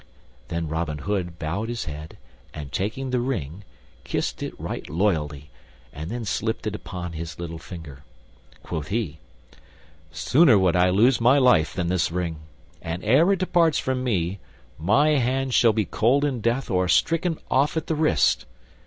Then Robin Hood bowed his head and taking the ring, kissed it right loyally, and then slipped it upon his little finger. Quoth he, "Sooner would I lose my life than this ring; and ere it departs from me, my hand shall be cold in death or stricken off at the wrist.